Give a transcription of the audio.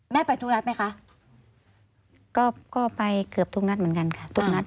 แม่ไปทุกรัฐไหมคะก็ก็ไปเกือบทุกรัฐเหมือนกันค่ะ